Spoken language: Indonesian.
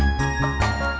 liat dong liat